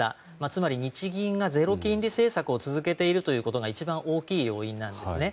つまり日銀がゼロ金利政策を続けていることが一番大きい要因なんですね。